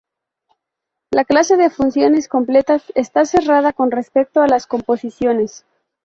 La clase de funciones completas está cerrada con respecto a las composiciones.